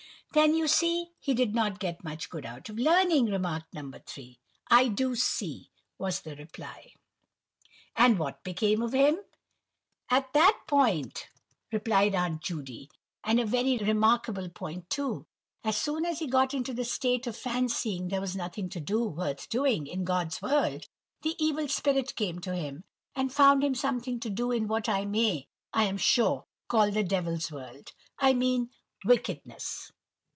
"Then you see he did not get much good out of learning," remarked No. 3. "I do see," was the reply. "And what became of him?" "Ah, that's the point," replied Aunt Judy, "and a very remarkable point too. As soon as he got into the state of fancying there was nothing to do, worth doing, in God's world, the evil spirit came to him, and found him something to do in what I may, I am sure, call the devil's world—I mean, wickedness."